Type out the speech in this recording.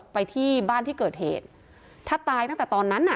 ไปที่บ้านที่เกิดเหตุถ้าตายตั้งแต่ตอนนั้นน่ะ